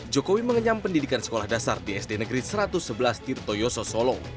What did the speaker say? jokowi mengenyam pendidikan sekolah dasar di sd negeri satu ratus sebelas tirto yoso solo